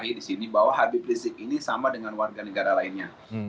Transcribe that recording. saya mau bahas bahwa habib rizik ini sama dengan warga negara lainnya